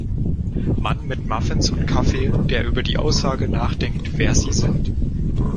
Mann mit Muffins und Kaffee, der über die Aussage nachdenkt, wer Sie sind